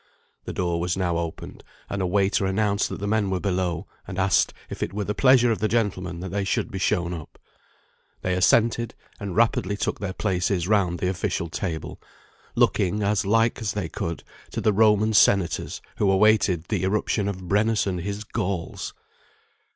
The door was now opened, and a waiter announced that the men were below, and asked if it were the pleasure of the gentlemen that they should be shown up. They assented, and rapidly took their places round the official table; looking, as like as they could, to the Roman senators who awaited the irruption of Brennus and his Gauls.